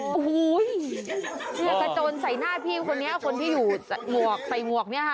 โอ้โหเนี่ยกระโจนใส่หน้าพี่คนนี้คนที่อยู่หมวกใส่หมวกเนี่ยค่ะ